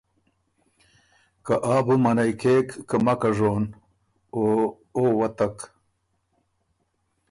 که آ بو منعئ کېک که مکه ژون او او ووتک۔